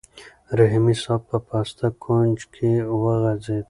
رحیمي صیب په پاسته کوچ کې وغځېد.